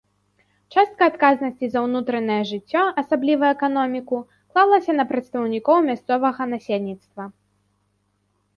Частка адказнасці за ўнутранае жыццё, асабліва эканоміку, клалася на прадстаўнікоў мясцовага насельніцтва.